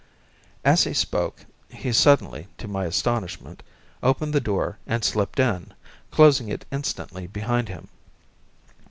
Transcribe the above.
As he spoke he suddenly, to my astonishment, opened the door and slipped in, closing it instantly behind him.